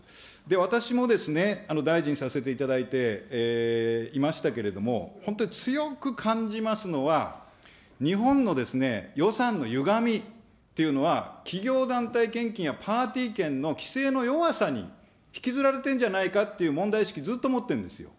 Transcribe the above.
私もですね、大臣させていただいていましたけれども、本当に強く感じますのは、日本の予算のゆがみというのは、企業団体献金やパーティー券の規制の弱さに引きずられてんじゃないかっていう問題意識、ずっと持ってるんですよ。